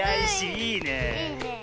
いいねえ。